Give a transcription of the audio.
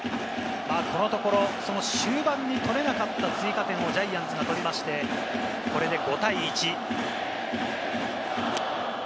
このところ、終盤に取れなかった追加点をジャイアンツが取りまして、これで５対１。